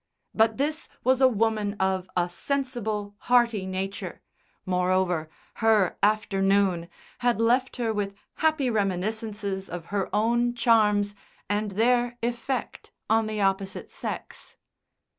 But this was a woman of "a sensible, hearty" nature; moreover, her "afternoon" had left her with happy reminiscences of her own charms and their effect on the opposite sex.